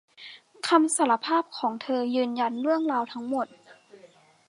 คำสารภาพของเธอยืนยันเรื่องราวทั้งหมด